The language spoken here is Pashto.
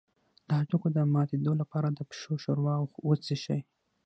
د هډوکو د ماتیدو لپاره د پښو ښوروا وڅښئ